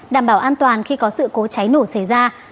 đảm bảo an toàn khi có sự cố cháy nổ xảy ra